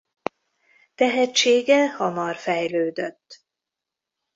Tehetsége hamar fejlődött.